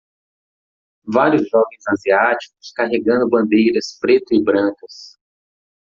vários jovens asiáticos carregando bandeiras preto e brancas